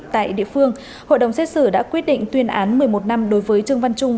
tại địa phương hội đồng xét xử đã quyết định tuyên án một mươi một năm đối với trương văn trung